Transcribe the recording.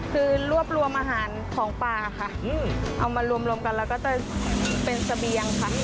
คือรวบรวมอาหารของป่าค่ะเอามารวมกันแล้วก็จะเป็นเสบียงค่ะ